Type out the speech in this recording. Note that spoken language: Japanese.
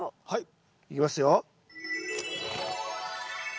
はい。